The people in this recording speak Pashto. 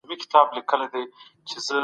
سازمانونه چیري د پوهني حق غوښتنه کوي؟